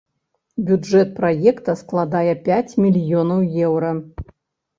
Бюджэт праекта складае пяць мільёнаў еўра.